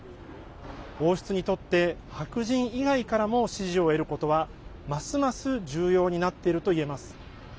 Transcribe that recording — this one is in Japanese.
王室にとって白人以外からも支持を得ることはますます重要になっているといえます。